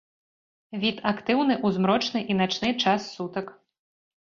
Від актыўны ў змрочны і начны час сутак.